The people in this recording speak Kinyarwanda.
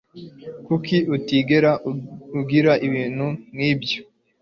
Kuki utigera ugura ibintu nkibyo